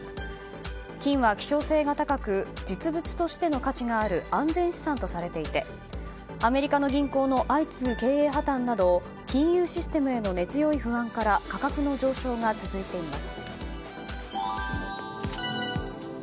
金は希少性が高く実物としての価値がある安全資産とされていてアメリカの銀行の相次ぐ経営破綻など金融システムへの根強い不安から価格の上昇が続いています。